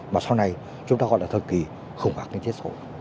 mà sau này chúng ta gọi là thời kỳ khủng hoảng nguyên chế sổ